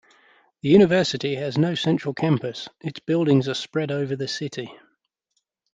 The university has no central campus; its buildings are spread over the city.